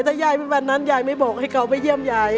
ถ้ายายเป็นวันนั้นยายไม่บอกให้เขาไปเยี่ยมยาย